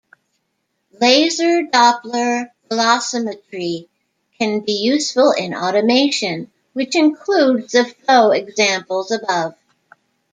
Laser Doppler velocimetry can be useful in automation, which includes the flow examples above.